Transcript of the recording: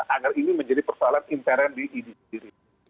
agar ini menjadi persoalan internet di idi sendiri